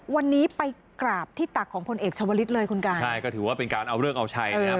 วันนี้ไปกราบที่ตักของพลเอกชาวลิศเลยคุณกายใช่ก็ถือว่าเป็นการเอาเลิกเอาชัยนะครับ